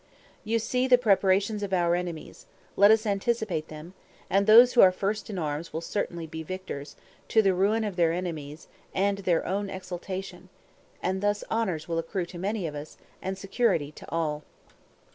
You see the preparations of our enemies; let us anticipate them; and those who are first in arms will certainly be victors, to the ruin of their enemies and their own exaltation; and thus honors will accrue to many of us and security to all."